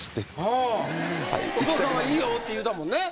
お父さんが「いいよ」って言うたもんね。